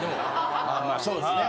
まあそうですね。